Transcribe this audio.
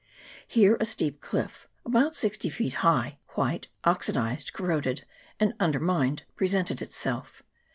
Here a steep cliff, about sixty feet high, white, oxidized, corroded, and undermined, presented itself.